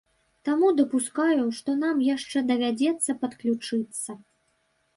Таму дапускаю, што нам яшчэ давядзецца падключыцца.